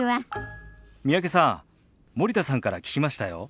三宅さん森田さんから聞きましたよ。